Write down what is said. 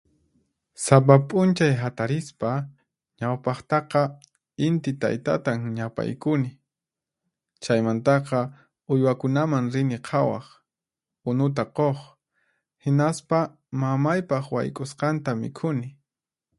Sapa p'unchay hatarispa, ñawpaqtaqa Inti Taytatan ñapaykuni. Chaymantaqa uywakunaman rini qhawaq, unuta quq, hinaspa mamaypaq wayk'usqanta mikhuni.